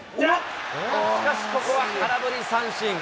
しかし、ここは空振り三振。